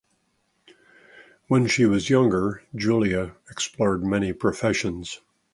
When she was younger Julia explored many professions.